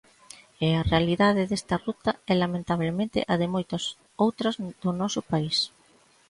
E a realidade desta ruta é lamentabelmente a de moitas outras do noso país.